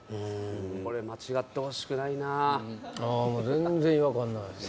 これ間違ってほしくないなははは